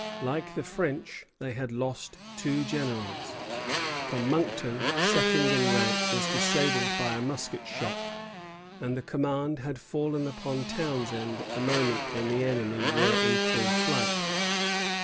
Like the French, they had lost two generals; for Monckton, second in rank, was disabled by a musket shot, and the command had fallen upon Townshend at the moment when the enemy were in full flight.